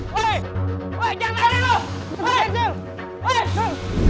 woy jangan lari lu